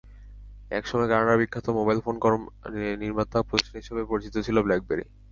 একসময় কানাডার বিখ্যাত মোবাইল ফোন নির্মাতা প্রতিষ্ঠান হিসেবে পরিচিত ছিল ব্ল্যাকবেরি।